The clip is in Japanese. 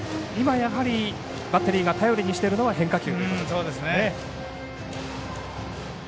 やはりバッテリーが頼りにしているのは変化球。